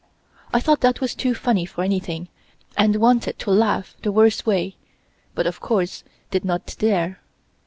I thought that was too funny for anything and wanted to laugh the worst way, but of course did not dare.